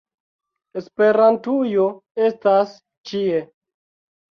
- Esperantujo estas ĉie!